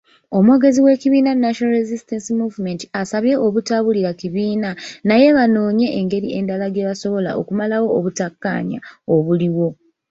Omwogezi w'ekibiina National Resistance Movement asabye obutaabulira kibiina naye banoonye engeri endala gyebasobola okumalawo obutakkanya obuliwo.